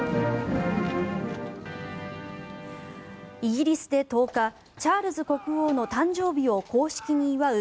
イギリスで１０日チャールズ国王の誕生日を公式に祝う